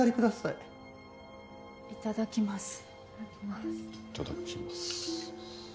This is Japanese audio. いただきます。